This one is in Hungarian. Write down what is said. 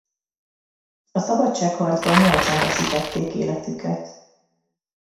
A szabadságharcban nyolcan veszítették életüket.